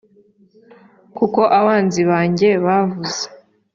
kuko abanzi banjye bavuze